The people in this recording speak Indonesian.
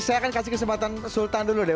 saya akan kasih kesempatan sultan dulu deh